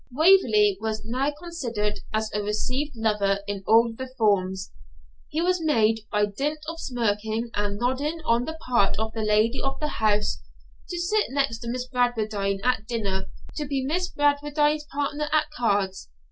Waverley was now considered as a received lover in all the forms. He was made, by dint of smirking and nodding on the part of the lady of the house, to sit next Miss Bradwardine at dinner, to be Miss Bradwardine's partner at cards.